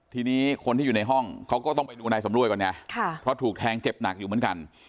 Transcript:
ทีนี้คนที่อยู่ในห้องเขาก็ต้องไปดูนายสำรวยก่อนไงเพราะถูกแทงเจ็บหนักอยู่เหมือนกัน